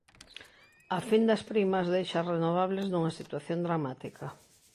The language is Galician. A fin das primas deixa as renovables nunha situación dramática.